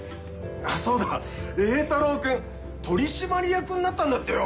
あっそうだ榮太郎君取締役になったんだってよ！